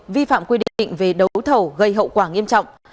vi phạm quy định về đấu thầu gây hậu quả nghiêm trọng